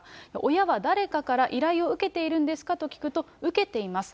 親は誰かから依頼を受けているんですかと聞くと、受けています。